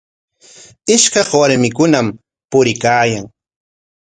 Ishkaq warmikunam puriykaayan.